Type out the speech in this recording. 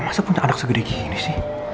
masa punya anak segede gini sih